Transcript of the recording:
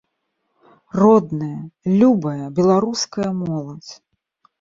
Родная, любая беларуская моладзь!